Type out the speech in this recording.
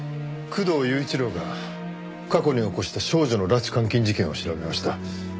工藤雄一郎が過去に起こした少女の拉致・監禁事件を調べました。